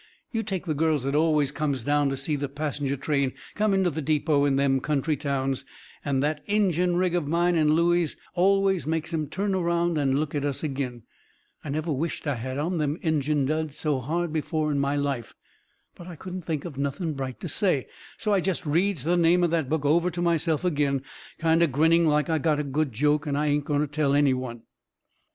You take the girls that always comes down to see the passenger train come into the depot in them country towns and that Injun rig of mine and Looey's always made 'em turn around and look at us agin. I never wisht I had on them Injun duds so hard before in my life. But I couldn't think of nothing bright to say, so I jest reads the name of that book over to myself agin, kind o' grinning like I got a good joke I ain't going to tell any one.